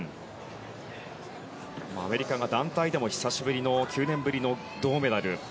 アメリカが団体でも９年ぶりの銅メダル。